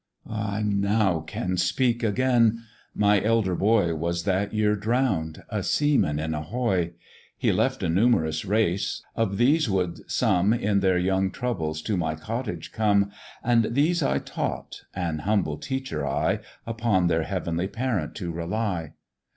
"I now can speak again: my elder boy Was that year drown'd, a seaman in a hoy: He left a numerous race; of these would some In their young troubles to my cottage come, And these I taught an humble teacher I Upon their heavenly Parent to rely.